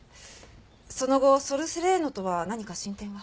その後ソル・セレーノとは何か進展は？